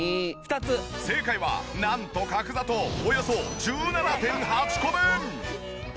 正解はなんと角砂糖およそ１７．８個分！